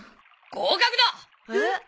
合格だ！え？